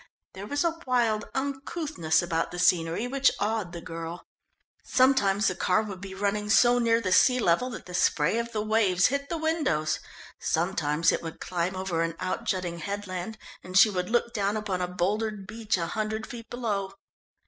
There was a wild uncouthness about the scenery which awed the girl. Sometimes the car would be running so near the sea level that the spray of the waves hit the windows; sometimes it would climb over an out jutting headland and she would look down upon a bouldered beach a hundred feet below.